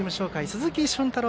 鈴木駿太郎